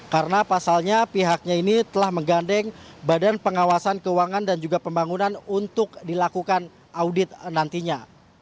karena pasalnya pihaknya ini telah menggandeng badan pengawasan keuangan dan juga pembangunan untuk dilakukan audit nantinya